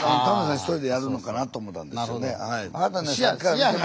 一人でやるのかなと思ったんですよね。